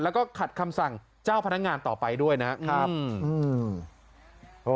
แล้วก็ขัดคำสั่งเจ้าพนักงานต่อไปด้วยนะครับอืม